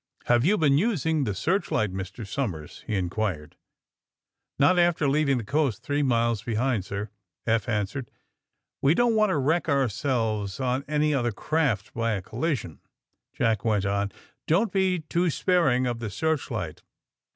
^'Have you been using the searchlight, Mr. Somers f he inquired. *^ Not after leaving the coast three miles be hind, sir," Eph answered. *^A¥e don't want to wreck ourselves or any other craft by a collision," Jack went on. *^ Don't be too sparing of the searchlight.